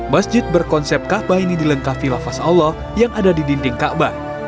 masjid berkonsep kaabah ini dilengkapi lafaz allah yang ada di dinding ⁇ aabah